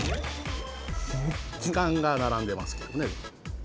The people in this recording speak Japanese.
時間がならんでますけどね。